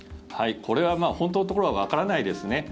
これは本当のところはわからないですね。